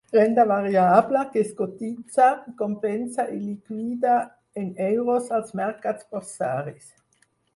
Renda variable, que es cotitza, compensa i liquida en euros als mercats borsaris.